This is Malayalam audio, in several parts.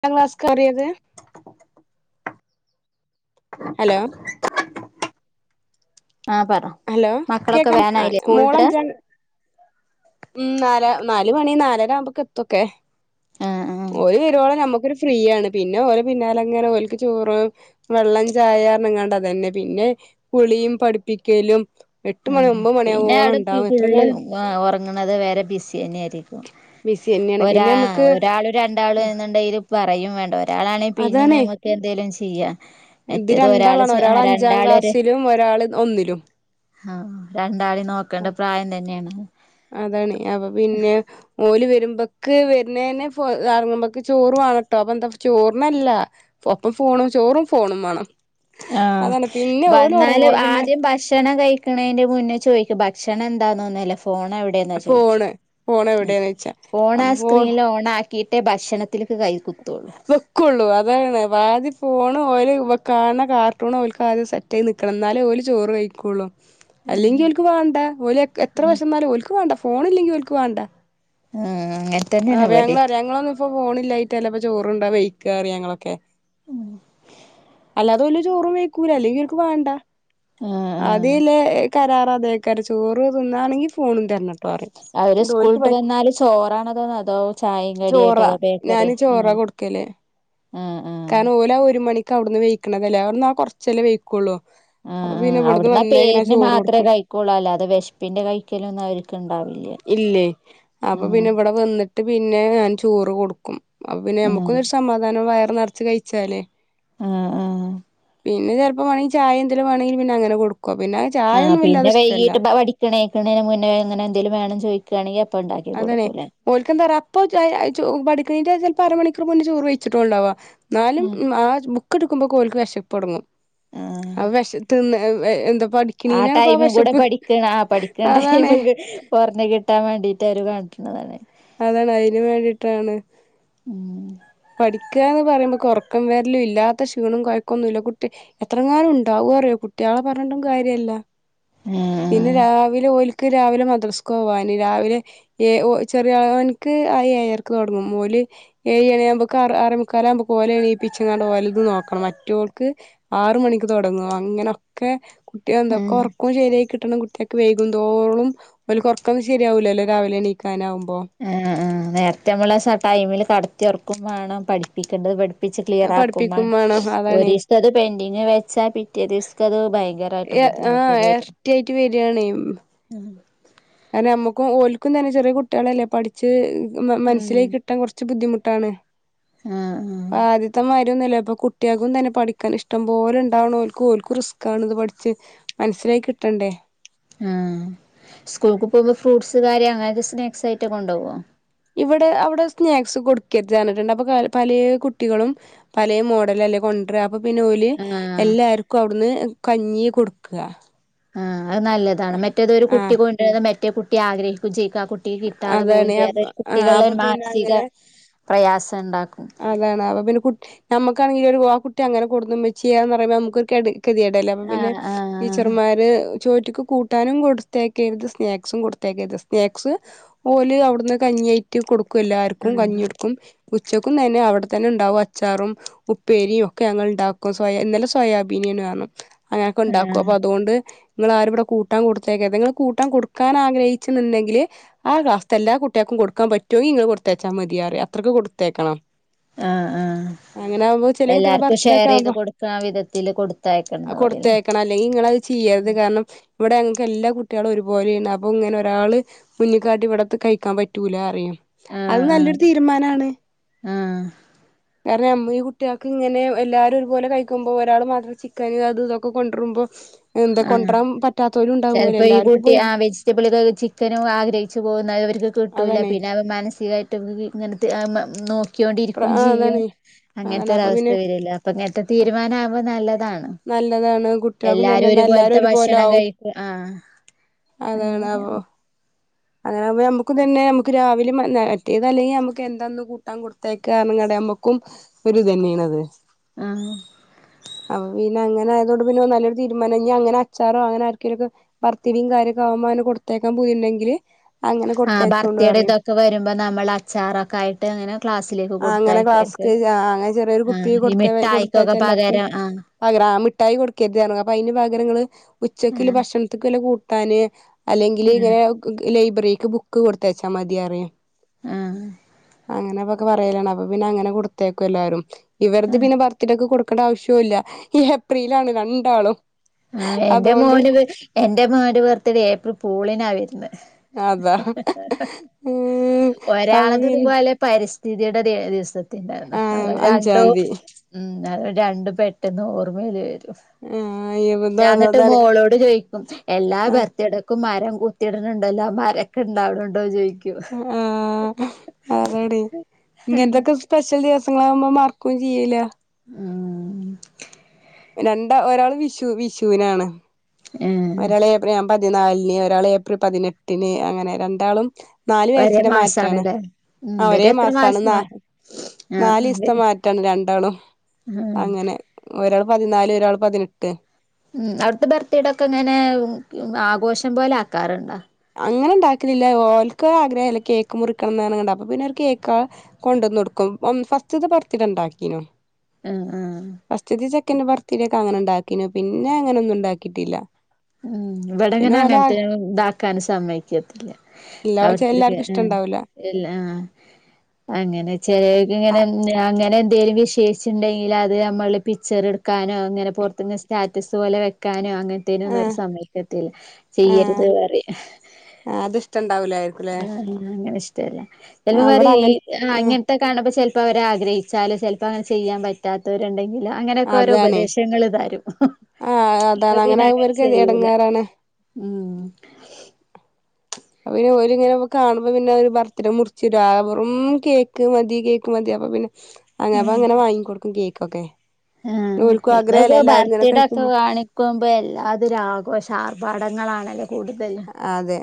ട്ടാംക്ലാസ്ക്കറിയത് ഹലോ ആഹ് പറ ഹലോ മക്കളൊക്കെ കേക്കാം വേനായില്ലേ മോള് സ്കൂള്ട്ട് അഞ്ചാം ഉം നാല നാൽ മണി നാലര ആവുമ്പക്ക് എത്തക്കെ ആഹ് ആഹ് ഓര് വരോളം നമ്മുക്കൊരു ഫ്രീ ആണ് പിന്നെ ഓലെ പിന്നാലെ അങ്ങനെ ഓൽക്ക് ചോറ് വെള്ളം ചായർണാങ്ങണ്ട് അതന്നെ പിന്നെ കുളിയും പഠിപ്പിക്കലും എട്ട് മണി ഒൻമ്പത് മണിയാവോളം ഇണ്ടാവും എത്രങ്ങാനും ആഹ് ഉറങ്ങ്ണത് വരെ ബിസിന്നെയായിരിക്കും ബിസി ഉം തന്നെയാണ് ഒരാ പിന്നെ നമുക്ക് ഒരാളും രണ്ടാളും എന്നുണ്ടെങ്കില് പറയും വേണ്ട ഒരാളാണെങ്കി പിന്നിം അതാണേ ഞമക്ക് എന്തേലും ചെയ്യാ ഇത് രണ്ടാളാണ് ഒരാൾ അഞ്ചാം ക്ലാസ്സിലും ഒരാൾ ഒന്നിലും ആഹ് രണ്ടാളി നോക്കണ്ട പ്രായം തന്നെയാണ് അതാണ് അപ്പൊ പിന്നെ ഓല് വരുമ്പക്ക് വരുന്നന്നെ പ് എറങ്ങുമ്പക്ക് ചോറ് വാണംട്ടോ അപ്പൊ എന്താ ചോറിനല്ല ഒപ്പം ഫോണും ചോറും ഫോണും വേണം ആഹ് അതാണ് പിന്നെ ഓല് വന്നാല് ഒറങ്ങോളം പിന്നെ ആദ്യം ഭക്ഷണം കയ് ക്ക്ണന്റെ മുന്നേ ചോയ്ക്ക ഭക്ഷണം എന്താന്നൊന്നുല്ല ഫോണെവ് ടേന്നാ ചോയ്ക്കാ ഫോണ് ഫോൺ എവിടെന്ന് വെച്ചാ ഫോണാ അപ്പൊ ആ ഫോൺ സ്ക്രീനിൽ ഓണാ ക്കീട്ടെ ഭക്ഷണത്തിൽക്ക് കൈ കുത്തോളൂ വെക്കുള്ളൂ അതാണ് വാദ്യ ഫോണ് ഓൽ കാണ്ണ കാർട്ടൂൺ ഓൽക്ക് ആദ്യ സെറ്റ് റ്റേഹ് ന്ന്ക്കണം എന്നാലേ ഓൽ ചോറ് വൈക്കുള്ളൂ അല്ലെങ്കിൽ ഓൽക്ക് വേണ്ട ഓലെത്ര ആ വെശന്നാലും ഓൽക്ക് വേണ്ട ഫോണില്ലെങ്കിൽ ഓൽക്ക് വേണ്ട ആഹ് അങ്ങനെ ആ തന്നെയാണ് ഇപ്പ ഇവടിം ഞങ്ങളറിം ഞങ്ങളൊന്നും ഇപ്പൊ ഫോണ് ഇല്ലായിട്ടല്ലെപ്പ ചോർണ്ടാ വൈക്കാറി ഞങ്ങളൊക്കെ അല്ലാതോൽ ചോറും വൈക്കൂല അല്ലെങ്കി ഓൽക്ക് വേണ്ട ആ ആ ആദ്യേല്ലേ കരാറതേക്കാരം ചോറ് തിന്നാണെങ്കി ഫോ ഫോണും തരണംട്ടോ പറയും അവര് ഇന്നട്ട് ഓല്ക്ക് സ്കൂളിട്ട് വന്നാല് ചോറാണതോ അതോ ചായയും കടിയായിട്ട് ചോറാ അതോ ഞാന് ബേക്കറായോ ഉം ചോറാ കൊടുക്കല് ആ ആ കാരണം ഓലാ ഒരു മണിക്ക് അവിടുന്ന് വെയിക്ക്ണ അല്ലാ അവടന്ന് ആ കുറച്ചല്ലേ വെയിക്കുള്ളൂ ആ അപ്പൊ പിന്നെ ഇവിടുന്ന് വന്നേക്കന്നെ ഞാൻ ചോറ് കൊടുക്കും കുളല്ലാ അത് വിശപ്പിന്റെ കൈക്കലൊന്നും അവർക്ക് ഉണ്ടാവില്ല ഇല്ലേ ആ അപ്പൊ പിന്നെ ഇവിടെ വന്നിട്ട് പിന്നെ ഞാൻ ചോറ് കൊടുക്കും അപ്പോ പിന്നെ ആ നമുക്കൊരു സമാധാനം വയർ നിറച്ച് കഴിച്ചാലേ ആഹ് ആഹ് പിന്നെ ചെലപ്പം വേണമെങ്കിൽ ചായ എന്തെങ്കിലും വേനമെങ്കിൽ പിന്നെ അങ്ങനെ കൊടുക്കും പിന്നെ ആഹ് ചായൊന്നും പിന്നെ വല്ലാതെ ഇഷ്ടല്ല വൈകീട്ട് എപ്പ പഠി ഇക്ക എണീക്ക്ണേനാ മുന്നേ ഇങ്ങനെ എന്തെങ്കിലും വേണം ചോദയിക്കാണെങ്കിൽ അപ്പ ഉണ്ടാക്കി കൊടുക്കൂലേ ഓല്ക്ക് എന്താ അറിയോ അപ്പം പഠിക്കുന്നയിന്റെ ചിലപ്പോ അരമണിക്കൂർ മുന്നെ ചോറ് വെച്ചിട്ടുളളു ഉണ്ടാവാ ഇന്നാലും ഉം ആ ബുക്ക് എടുക്കുമ്പോ ഓല്ക്ക് വിശപ്പ് തുടങ്ങും ആ വിശത് തിന്ന് എന്താ പഠി ആ ടൈമ് ഇവ്ടെ പഠിക്ക്ണ ആ പഠിക്ക്ണ അതാണേ ടൈമ്ക്ക് കുറഞ്ഞ് കിട്ടാൻ വേണ്ടിയിട്ട് അവര് കാട്ടുന്നതാണ് അതാണ് അയിന് വേണ്ടിട്ടാണ് ഉം പിടിക്കുക എന്ന് പറയുമ്പോ ഉറക്കം വേരലും ഇല്ലാത്ത ക്ഷീണം കുഴക്കൊന്നുല്ല കുട്ടി എത്രങ്ങാനും ഉണ്ടാവും അറിയോ കുട്ടികളെ പറഞ്ഞിട്ടും കാര്യല്ല ഏഹ് പിന്നെ രാവിലെ ഓലക്ക് രാവിലെ മദ്രസ്ക്ക് പോവാാന് രാവിലെ ചെറിയോന്ക്ക് ആ ഏഴരക്ക് തുടങ്ങും ഓല് ഏഴ് മണി ആകുമ്പോക്ക് ആറെമുക്കാല ആകുമ്പോക്ക് ഓലെ എണീപ്പിച്ചിങ്ങാണ്ട് ഓല്ത് നോക്കണം മറ്റോൾക്ക് ആറ് മണിക്ക് തുടങ്ങും അങ്ങനൊക്കെ കുട്ടിക എന്തൊക്കെ ആഹ് ഉറക്കും ഉറക്കം ശരിയായി കിട്ടണം കുട്ടികൾക്ക് വൈകുതോരും ഓല്ക്ക് ഒറക്കൊന്നും ശരിയാവല്ലല്ലോ രാവിലെണീക്കാനാവുമ്പോ ആ ആ നേരത്തെ നമ്മളെ ടൈമിൽ കടത്തിയുറക്കും വേണം പഠിപ്പിക്കേണ്ടത് പഠി പ്പിച്ച് അത് ക്ലിയർ പഠിപ്പിക്കും ആക്കുംമാണം വേണം അതാണേ ഒരിസത്തത് പെൻഡിങ് വെച്ചാ പിറ്റേ ദിവസത്തേക്ക് അത് ഭയങ്കര ആ എരട്ടി ആയിട്ട് വരാണേ ഞാ കാരണം നമ്മുക്കും ഓല്ക്കും തന്നെ ചെറിയ കുട്ടികളല്ലേ പഠിച്ച് മനസ്സിലേക്ക് കിട്ടാൻ കുറച്ച് കുറച്ച് ബുദ്ധിമുട്ടാണ് ആഹ് ആഹ് ഇപ്പ ആദ്യത്തെമാരി ഒന്നല്ല ഇപ്പൊ കോ കുട്ടേക്കും തന്നെ പഠിക്കാൻ ഇഷ്ടം പോലെ ഉണ്ടാവണോക്കും റിസ്ക്കാണ് ഇത് പഠിച്ച് മനസ്സിലായി കിട്ടണ്ടേ ആ സ്കൂൾക്ക് പോകുമ്പോ ഫ്രൂട്ട്സ് കാര്യം അങ്ങനത്തെ സ്നാക്സ് ആയിട്ടൊക്കെ കൊണ്ട് പോവോ ഇവിടെ അവിടെ സ്നാക്സ് കൊടുക്കരുത് പറഞ്ഞിട്ടുണ്ട് അപ്പൊ പല കുട്ടികളും പലേ മോഡലല്ലേ കൊ ണ്ടര അപ്പൊ പിന്നെ ഓല് ആഹ് എല്ലാർക്കും അവിടുന്ന് കഞ്ഞി കൊടുക്ക ആ് അത് നല്ലതാണ് മറ്റേതൊരു കുട്ടി ആഹ് കൊണ്ട് വരുന്നത് മറ്റേ കുട്ടി ആഗ്രഹിക്കും ചെയ്യുക ആ കുട്ടി കുട്ടി കിട്ടാതെ പോവുകയും അതാണ് ചെയ്യാ അപ്പ ആഹ് കുട്ടികള് അപ്പൊ ഓരു പിന്നെ മാനസിക അങ്ങനെ പ്രയാസം ഉണ്ടാക്കും അതാണ് അപ്പൊ പിന്നെ കുട്ടി നമുക്കാണെങ്കിൽ ഒരു ആ കുട്ടി അങ്ങനെ കൊടുന്ന് ഇമ്മച്ചിയെ പറുയുമ്പോ നുക്കൊരു കെ കെതിയേടല്ലേ അപ്പം പിന്നെ ആഹ് ആഹ് ടീച്ചർമാർ ചോറ്റ്ക്ക് കൂട്ടാനും കൊടുത്തേക്കരുത് സ്നാക്സും കൊടുത്തേക്കരുത് സ്നാക്സ് ഓല് അവിടുന്ന് കഞ്ഞിയായിട്ട് കൊടുക്കും എല്ലാർക്കും കഞ്ഞി ആഹ് കൊടുക്കും ഉച്ചക്കും തന്നെ അവിടെത്തന്നെ ണ്ടാവും അച്ചാറും ഉപ്പേരി ഒക്കെ ഞങ്ങൾ ഉണ്ടാക്കും സോ ഇന്നലെ സോയാബീനെണു പറഞ്ഞു അങ്ങനെയൊക്കെ ഉണ്ടാക്കും ആഹ് അപ്പൊ അതുകൊണ്ട് ഇങ്ങളാരും ഇവിടെ കൂട്ടാൻ കൊടുത്തേക്കരുത് നിങ്ങൾ കൂട്ടാൻ കൊടുക്കാൻ ആഗ്രഹിച്ച്ണ് ഉണ്ടെങ്കില് ആ ക്ലാസ്ത്തെ എല്ലാ കുട്ടികൾക്കും കൊടുക്കാൻ പറ്റുമെങ്കിൽ നിങ്ങള് കൊടുത്തേച്ചാ മതി യറിം അത്രയ്ക്ക് കൊടുത്തേക്കണം ആഹ് ആഹ് അങ്ങനെ ആകുമ്പോ ചെറിയ കുട്ടികളെ എല്ലാർക്കും ബർത്ത്ഡേ ഒക്കെ ഷെയർ ചെയ്ത് ആകുമ്പോ കൊടുക്ക വിധത്തിൽ കൊടുത്തയക്കണ്ട് പറി ണം അല്ലെങ്കിൽ ഇങ്ങൾ അത് ചെയ്യരുത് കാരണം ഇവിടെ അങ്ങക്ക് എല്ലാ കുട്ടികളും ഒരുപോലെയണ് അപ്പൊ ഇങ്ങനെ ഒരാള് മുന്നിക്കാട്ടി, ഇവിട കഴിക്കാൻ പറ്റൂല അറിയും അത് ആഹ് ആഹ് നല്ലൊരു തീരുമാനാണ് ആഹ് കാരണം നമ്മൾ ഈ കുട്ടികൾക്ക് ഇങ്ങനെ എല്ലാരും ഒരുപോലെ കഴിക്കുമ്പോ ഒരാള് മാത്രം ചിക്കന് അത് ഇതൊക്കെ കൊണ്ടരുമ്പോ എന്തെ കൊണ്ടരാൻ പറ്റാ ചിലപ്പോ ഈ കുട്ടി ആ വെജിറ്റബിൾ ചിക്കനും ആഗ്രഹിച്ചു പോകുന്നത് കിട്ടൂല അതാണേ പിന്നെ അവ മാനസികമായിട്ട് ഇങ്ങന നോക്കിക്കോണ്ടിരിക്കയും ചെയ്യും അതാണ് അതാണ് അപ്പൊ അങ്ങനത്തെരവസ്ഥ പിന്നെ വരു ല്ല അപ്പൊ ഇങ്ങനത്തെ തീരുമാനമാ വുമ്പോൾ നല്ലതാണ് നല്ലതാണ് കുട്ടികൾക്കുംതന്നെ എല്ലാരും ന്ന എല്ലാരും ഒരുപോലത്തെ ഒരുപോലെ ഭക്ഷണം ആകും കഴിക്കും ആഹ് അതാണാവോ അങ്ങനെയാണ് അങ്ങനെയാവുമ്പോ നമുക്ക് ഇതന്നെ നമുക്കും രാവിലെ മറ്റേത് അല്ലെങ്കിൽ നമുക്ക് എന്താന്ന് കൂട്ടാൻ കൊടുക്ക കൊടുത്തയക്ക പറഞ്ഞകണ്ട് നമ്മക്കും ഒരിതന്നെയാണ് ആഹ് പിന്നെ അങ്ങനെയായതോണ്ട് പിന്നെ നല്ലരു തീരുമാനം ഇഞ് അങ്ങനെ അച്ചാറോഅങ്ങനെ ആർക്കെങ്കിലും വർത്തിരിയും കാര്യക്കെ ആവുമ്പോ കൊടുത്തേക്കാൻ പൂതിയുണ്ടങ്കിൽ ആ ബർത്തഡേ ഇതൊക്കെ വരുമ്പോ നമ്മൾ അച്ചാറൊക്ക ആയിട്ട് അങ്ങനെ ക്ലാസ്സിലേക്ക് ആഹ് അങ്ങനെ കൊടുത്തായക്ക ഫ്ലാസ്ക് അങ്ങനെ ചെറിയൊരു കുപ്പി കൊടുത്ത മിഠായിക്കൊക്കെ കൊടുത്തച്ചാൽ എല്ലാർക്കും പകരം ആ പകര ആ മിഠായി കൊടുക്കരുത് പറഞ്ഞു അപ്പൊ അതിന് പകരങ്ങള് ആ ഉച്ചക്കല് ഭക്ഷണത്തിക്ക് വല്ല കൂട്ടാന് അല്ലെങ്കിൽ ആ ഇങ്ങനെ ലൈബ്രറിക്ക് ബുക്ക് കൊടുത്തച്ചാ മതി അറിയും ആ അങ്ങനെ അപ്പൊക്കെ പറയലാണ് അപ്പൊ പിന്നെ അങ്ങനെ കൊടുത്തയക്കും എല്ലാരും ആ ഇവര്ത് പിന്നെ ബർത്ത് ഡേ ക്ക് കൊടുക്കേണ്ട ആവശ്യവും ഇല്ല ഏപ്രിലാണ് രണ്ടാളും ആഹ് എൻ്റെ അതുകൊണ്ട് മോന് എൻ്റെ മോന്റെ ബർത്ഡേ ഏപ്രിൽ പൂളിനാ വര്ന്നേ. അതാ അപ്പ ഒരാളത് പിൻ ഇതുപോലെ പരിസ്ഥിതിയുടെ ദിവസത്തിന്റെ അന്ന് ആ അത് രണ്ടും അഞ്ചാം തീയതി ഉം അഹ് രണ്ടും പെട്ടെന്ന് ഓർമ്മയില് വരും. ആഹ് ഞാൻ ന്ന്ട്ട് അതാണ് മോളോട് ചോയിക്കും എല്ലാ ബർത്ത്ട ക്കും മരം കുത്തിട്ണണ്ടല്ലോ മരൊക്കെ ണ്ടാവലുണ്ടോ ചോയിക്കും. ആഹ് അതടി ഇങ്ങൻത്തക്കെ സ്പെഷ്യൽ ദിവസങ്ങളാകുമ്പം മർക്കും ചെയ്യേല. ആഹ് രണ്ടാ ഒരാള് വിഷു വിഷുനാണ്. ഏഹ് ഒരാൾ ഏപ്രിൽ ഞാ പതിനാല്ന് ഒരാള് ഏപ്രിൽ പതിനെട്ട്ന് അങ്ങനെ രണ്ടാളും നാല് ഒരേ വയസ്സിന്റെ മാറ്റാണ് മാസാണല്ലേ ഉം ആഹ് ഒരേ ഇവരും എത്ര മാസമാണ് മാസം ന ആഹ് നാല് ഇസ്ത്തെ വരും മാറ്റാണ് രണ്ടാളും ആഹ് അങ്ങനെ ഒരാള് പതിനാല് ഒരാൾ പതിനെട്ട് മ് അവ്ട്ത്തെ ബർത്ത്ഡേ ഒക്കെ ഇങ്ങനെ ആഘോഷം പോലെ ആക്കാറുണ്ട? അങ്ങനെ ണ്ടാക്കലില്ല ഓൽക്ക് ആഗ്രഹല്ലേ കേക്ക് മുറിക്കണം ന്നാന്ന്ക്കാണ്ട് അപ്പ പിന്നെ ഒരു കേക്ക കൊണ്ടന്ന് ട്ക്കും പ്പം ഫസ്റ്റ്ത്തെ ബർത്ഡേ ഇണ്ടാക്കീനു. ഹ് ഹ് ഫസ്റ്റ്ത്തെ ചെക്കന്റെ ബർത്ഡേ ക്കെ അങ്ങനെണ്ടാക്കിനു പിന്നെ അങ്ങനെ ഒന്നും ണ്ടാക്കിയിട്ടില്ല. ഉം ഇവടെങ്ങനെ അങ്ങൻത്തെ താക്കാൻ സമ്മയ്ക്കത്തില്ല. എല്ലാ അവിർത്ത്ടേക്ക് എല്ലാർക്കും ഏഹ് ഇഷ്ടണ്ടാവൂല എല് ആഹ് അങ്ങനെ ചെലര്ക്ക് ആ ഇങ്ങനെ അങ്ങനെ എന്തെലും വിശേഷിച്ചുണ്ടെങ്കിൽ അത് നമ്മള് പിച്ചർട് ക്കാനോ അങ്ങനെ പൊർത്ത്ന്ന് സ്റ്റാറ്റസ് പോലെ വെക്കാനോ അങ്ങൻത്തെ ആ സമ്മയ്ക്കത്തില്ല ചെയ്യര്ത് പറിം. ആഹ് അത് ഇഷ്ടണ്ടാവുലേ? ആഹ് അങ്ങനെ ഇഷ്ടല്ല ചെൽപ്പോ അവിടെ പറിം ഇ അങ്ങനെ ആഹ് ആ ഇങ്ങൻത്തെ കാണുമ്പോ ചെൽപ്പോ അവര് ആഗ്രഹിച്ചാലും ചെൽപ്പോ അങ്ങനെ ചെയ്യാൻ പ റ്റാത്തവരുണ്ടെങ്കില് അങ്ങനെക്കെ ഒരു അതാണേ ഉപദേശങ്ങൾ തരും. ആ അതാണ് പിന്നെ ആകുമ്പോ അങ്ങനെ ഇവർക്ക് ചെയ്യൂല എടങ്ങേറാണ് ഉം അപ്പ പിന്ന ഓര്ങ്ങനെ കാണുമ്പോ പിന്നെ ഒരു ബർത്ത്ഡേ മുറിച്ചിടാ ആഹ് വെറും കേക്ക് മതി കേ ക്ക് മതി അപ്പ പിന്നെ അങ്ങ അപ്പ അങ്ങനെ വാങ്ങികൊട്ക്കും കേക്കൊക്കെ. ആഹ് ഓൽക്കും ആഗ്രഹല്ലേ ഇന്നൊക്കെ എല്ലാരും ഇങ്ങനെ ബർത്തിടക്കെ കഴിക്കുമ്പോ വാണ് ക്കുമ്പേ എല്ലാതെര ആഘോഷാ ആർഭാടങ്ങളാണല്ലോ കൂടുതല്. അതെ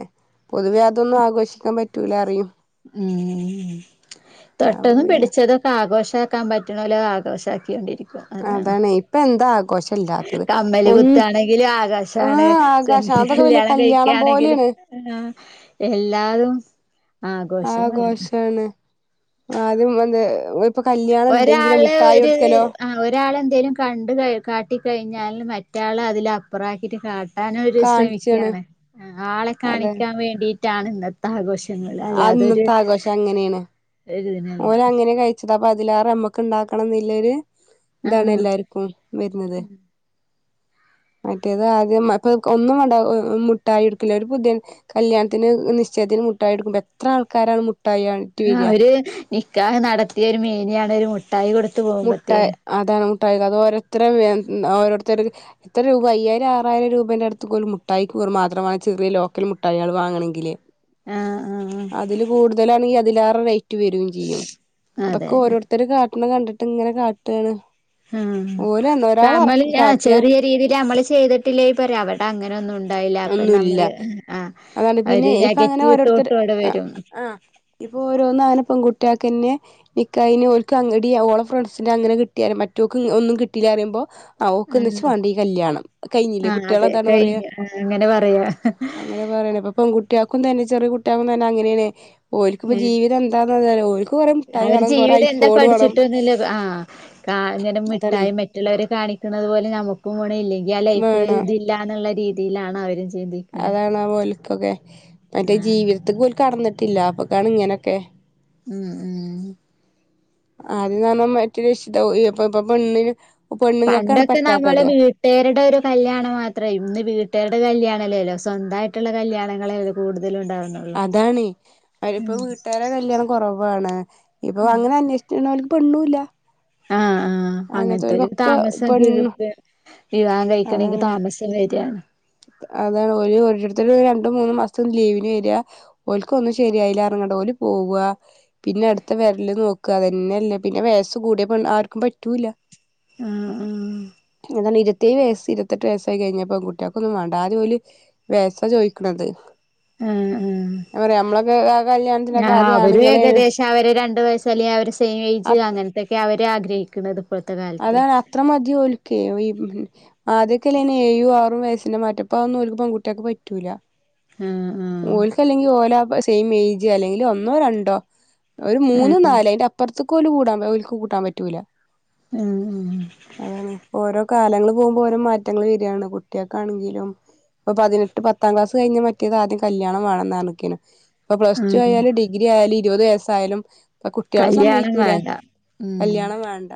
പൊതുവെ അതൊന്നും ആഘോഷിക്കാ പറ്റൂലാറിം. ഉം ഉം അപ്പൊ തൊട്ടതും പിന്നെ പിടിച്ചതൊക്കെ ആഘോഷാക്കാ പറ്റണോല് അഹ് ആഘോഷ ആക്കിണ്ടൊരി അതാണ് ഇപ്പ എന്താ ആഘോഷ ല്ലാത്തത് പ്പ കമ്മല് ഒൻ കുത്താണെങ്കിലും ആകാശാണ് ആഹ് ആകാശ സെന്റില് അതൊക്കെ വല്യ കല്യാണം കല്ല്യാണ കഴിക്കാണെങ്കിലും പോലെയാണ്. ആഹ് എല്ലാരും ആഘോഷാണ് ആദ്യം എന്തെ പ്പ കല്യാണം ണ്ടങ്കിലും ഒരാള് ഒരു മുട്ടായൊട്ക്കലോ. ആഹ് ഒരാളെന്തേലും കണ്ട് കഹ് കാട്ടിക്കയിഞ്ഞാല് മറ്റാള് അതിലപ്പറ ആക്കിയിട്ട് കാ ട്ടനൊര് കാണിച്ചാണ് ശ്രമിക്കാണ് ആളെ അതെ കാണിക്കാൻ വേണ്ടിട്ടാണ് ന്ന ആഘോഷങ്ങള് അല്ലാതൊര് ഓലങ്ങനെ കഴിച്ചിട്ടതാപ്പ അതിലേറ നമ്മക്ക് ഇണ്ടാക്കണം എന്നില്ലെര് ഇതാണ് ആഹ് എല്ലാർക്കും വെര്ന്നത്. മറ്റേത് ആദ്യം അപ്പ ഒന്നുംവാണ്ട മുട്ടായി യൊടുക്കില്ല ഒരു പുതി കല്യാൺത്തിന് നിശ്ചയത്തിന് മുട്ടായി കൊടുക്കുമ്പോ എത്ര ആൾക്കാരാണ് മുട്ടായി വരിക ആഹ് ഒര് നിക്കാഹ് നടത്തിയ ഒരു മേനിയാണ് ഒരു മുട്ടായി കൊട്ത്ത് മുട്ടായി പോമ്പത്തേനു. അതാണ് മുട്ടായി അത് ഓരോരുത്തര് വേ ഓരോരുത്തര് എത്രരൂപ അയ്യായിരം ആറായിരം രൂപേന്റെ അട്ത്ത്ക്കോല് ഒരു മുട്ടായിക്ക് വെറുമാത്ര വാണം ചെറിയ ലോക്കൽ മുട്ടായള് വാങ്ങണങ്കില്. ആഹ് ആഹ് അതില് കൂടുതലാണെങ്കില് അതിലേറെ റേറ്റ് വെരും ചെയ്യും അതൊക്കെ അതന്നെ ഓരോരുത്ത ഓരേരുത്തര് കാട്ടണ കണ്ടിട്ട് ഇങ്ങനെ കാട്ടാണ് ആഹ് ഓല് ഒരാള് നമ്മള് ഇറക്കി ആ കാട്ടിയ ചെറിയ രീതിയിൽ നമ്മള് ചെയ്തിട്ടില്ലേ പറയാ അവിടെ അങ്ങനെന്നു ണ്ടായില്ല അപ്പൊ ഒന്നുല്ല നമ്മള് ആഹ് അതാണ് പിന്നെ ഒരു ഇപ്പൊ നെഗറ്റീവ് തോട്ട് അവടെ വെരും ഇഞ്ഞി പോ ഓരോന്നാന പെങ്കുട്ട്യേക്കന്നെ നിക്കായിന് ഓൽക്കങ്ങ്ടീ ഓള ഫ്രണ്ട്സിനങ്ങന കിട്ടിയരേ മറ്റോക്ക് ഒന്നും കിട്ടീലാറിയുമ്പോ ആഹ് ഓക്കന്ന്ച്ച് വാണ്ട ഈ കല്യാണം കെഞ്ഞില്ലേ ആഹ് അതെ കുട്ട്യളതാണ് പറയാ കഴിഞ്ഞു ആഹ് അങ്ങന പറയാ അങ്ങനെ പറയണ ഇപ്പൊ പെങ്കുകുട്ട്യക്കും തന്നെ ചെറിയ കുട്ടിയാകു തന്നെ അങ്ങനെയണേ ഓൽക്കിപ്പ ജീവിതം എന്താന്നറിലയാ ഓര്ക്ക് കൊറെ മിഠായി അവര് വാണം കൊറെ ജീവിതം ഐഫോണ് വാണം കാണന്നന്നെ മിഠായി മെറ്റുള്ളവരെ കാണിക്കണുന്നത് പോലെ നമ്മുക്കും വാണ ഇല്ലെങ്കില് ആ ലൈഫ് വേണം തി ഇല്ലന്നുള്ള രീതിയിലാണ് അവര് സ് അതാണ് ഓൽക്കൊക്കെ എൻട്ട് ആഹ് ജീവിതത്തിക്ക് ല് കടന്നിട്ടില്ല അപ്പൊകാണ ഇങ്ങനൊക്കെ ഉം ഉം [unintelligible] പെണ്ണിന് പെണ്ണുങ്ങൾക്കാണ് പണ്ടൊക്കെ നമ്മളെ പറ്റാത്തത് വീ വിട്ടരുടെ ഒരു കല്യാണം മാത്രയിരുന്ന് ഇന്ന് വീട്ടാരുടെ കല്യാണല്ലല്ലോ സ്വന്തായിട്ടുള്ള കല്യാണങ്ങളേല്ലോ കൂടുതലും ഉണ്ടാവുന്നേ അതാണ് അവരിപ്പോ വീട്ടുകാരടെ കല്യാണം കൊറവാണ് ഇപ്പൊ അങ്ങനെ അന്വേഷ [unintelligible] പെണ്ണുല്ല ആഹ് ആഹ് ഇപ്പങ്ങനത്തെ ഒരു താമസ പെണ്ണ് വിവാഹം കഴിക്കണങ്കി അതാണ് താമസ വരാ അതാണ് ഒരു ഒരേര്ത്തരു രണ്ടുമൂന്നും മാസം ലീവിന് വരാ ഓൽക്കൊന്നും ശരിയായില്ല പറഞ്ഞിട്ട് ഓല് പോവ്വാ പിന്നെ അടുത്ത വര്ല് നോക്ക അതന്നെയല്ലേ പിന്നെ വയസ്സ് കൂടിയ പെണ്ണ് ആർക്കും പറ്റൂലാ ആഹ് അതാണ് ഇരുത്തേഴ് വയസ്സ് ഇരുത്തെട്ട് വയസ്സായി കഴിഞ്ഞപ്പോ പെൺകുട്ടിയ ഒന്നും വേണ്ട ആദ്യ ഓല് വയസ ചോദിക്കണത് ആഹ് ഞാൻ പറയാ നമ്മളൊക്കെ ആ ആഹ് കല്യാണത്തിനൊക്കെ ആ ആദ്യം അവരും ആണുങ്ങളേനു ഏകദേശം അവര് രണ്ട് വയസ് അല്ലെങ്കി അവരെ സെയിം ഏജ് അങ്ങനത്തെക്കെ അവരാഗ്രഹിക്ന്നത് അതാണ് അത്ര മതിം ഓൽക്ക ഈ ഉം ആദ്യൊക്കെല്ലേന ഏയും ആറും വയസ്സിന്റെ മാറ്റ ഇപ്പാ അതൊന്നും പൺകുട്ട്യാക് പറ്റൂല ആഹ് ആഹ് ഓൽക്കല്ലെങ്കിൽ ഓല സെയിം ഏജ് അല്ലെങ്കിൽ ഒന്നോ രണ്ടോ ഒരു മൂന്നോ ആഹ് നാല് അയിന്റ അ പ്പറത്തുക്കോല് കൂടാ ഓൽക്ക് കൂട്ടാൻ പറ്റൂല്ല ഉം ഉം അതാണ് ഇപ്പ ഓരോ കാലങ്ങള് പോകുമ്പോ ഓരോ മാറ്റങ്ങൾ വരാണ് കുട്ട്യേക്കാണെങ്കിലും പ്പൊ പതിനെട്ട് പത്താം ക്ലാസ് കഴിഞ്ഞ മറ്റേ ആത്യം കല്യാണം വേണം ന്നർഞ്ക്കനു ഇപ്പൊ പ്ലസ് ടു ആഹ് ആയാലും ഡിഗ്രി ആയാലും ഇരുപത് വയസ്സായാലും ഇപ്പ കുട്ട്യേള് കല്യാണം സമ്മയ്ക്കൂല വേണ്ട കല്ല്യാണം വേണ്ട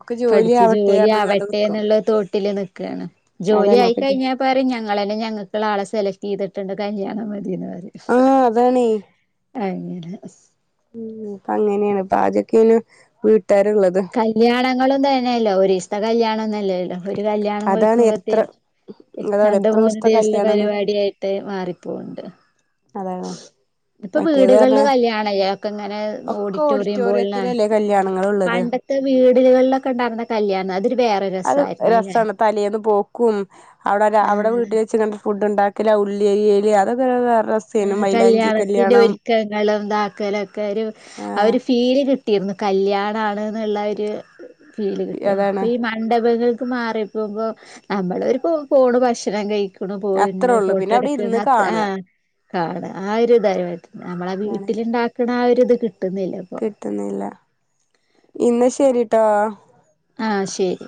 ഒക്കെ ജോലി പഠിച്ചു ആവട്ടെ ജോലി പറഞ്ഞ്ങ്ങാണ്ട് ആവട്ടെ നിക്കും ന്നുള്ള തോട്ടില് നിക്കാണ് ജോലി അതാണ് ആയി ഒക്കെ ജോ ക്കഴിഞ്ഞാ പറയും ഞങ്ങള തന്നെ ഞങ്ങൾക്ക ആളെ സെലക്ട് ചെയ്തിട്ടുണ്ട് കല്യാണം മതിന്ന് പറി അതാണെ ഉം ഇപ്പങ്ങനേണ് ആദ്യക്കെനു വീട്ടാര്ള്ളത് കല്യാണങ്ങളും തന്നെയല്ലോ ഒരീസ്‌തെ കല്ല്യാണൊന്നല്ലല്ലോ ഒരു കല്യാണം അതാണ് എത്ര കഴിക്കുമ്പോത്തേനും അതാണ് രണ്ട് എത്ര മൂന്ന് ദിവസത്തെ കല്യാണാണ് പരിപാടിയായിട്ട് മാറിപ്പോവണ്ട് അതാണെ ഇപ്പൊ വീടുകളില് കല്ല്യാണല്ലേ ഒക്കെ ഇങ്ങനെ ഒക്കെ ഓഡിറ്റോറിയം പോലാണ് ഓഡിറ്റോറിയത്തിലല്ലേ കല്യാണങ്ങളുള്ളത് പണ്ട വീടുകളിലൊക്കെ ഉണ്ടായിരുന്ന കല്യാണം അതര് വേറെരു രസാരുന്നുലെ സാണ് തലേന്ന് പോക്കും അവടെ അവിടെ ആഹ് വീട്ടിൽ വെച്ച്ങ്ങണ്ട് ഫുഡ്ണ്ടാ ക്കല ഉള്ളിയരിയല് അതൊക്കെര് വേറെ രസ ആ കല്യാണത്തിന്റെ ഒരുക്കങ്ങളും താക്കലൊക്കെ ഒരു ആഹ് അവര് ഫീല് കിട്ടിയിരുന്നു കല്യാണാണ് ന്നുള്ള ഒരു ഫീല് കിട്ടിരുന്നു പ്പ അതാണ് ഈ മ ണ്ഡപങ്ങൾക്ക് മാറി പോകുമ്പോ നമ്മൾവര് പോ ഭക്ഷണം കഴിക്കും ക്ക്ണു അത്രേ പോര്നു ഉള്ളൂ പിന്നെ അവിടെ ഫോട്ടടുക്ണ് ഇരുന്ന് അത് ആ കാണാ കാണ ആ ഒരു ഇത നമ്മളെ അതാണ് വീട്ടിലിണ്ടാക്കണ ആ ഒരു ഇത് കിട്ടുന്നില്ല ഇപ്പൊ ട്ട്ന്നില്ല ഇന്ന ശരിട്ടോ ആ ശരി